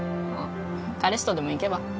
うん彼氏とでも行けば？